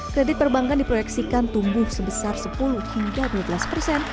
kredit perbankan diproyeksikan tumbuh sebesar sepuluh hingga dua belas persen